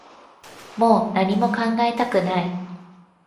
もう何も考えたくない